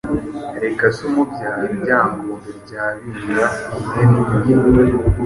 Reka se umubyara Ryangombe rya Babinga mwene Nyundo